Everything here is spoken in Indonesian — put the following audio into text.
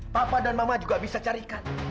papa dan mama juga bisa carikan